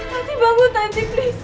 hati bangun tanti please